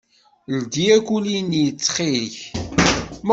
Ldi akuli-nni, ttxil.